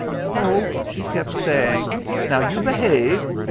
"] "Oh, she kept saying, 'Now you behave!'